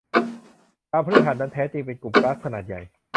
ดาวพฤหัสนั้นแท้จริงแล้วเป็นกลุ่มก๊าซขนาดใหญ่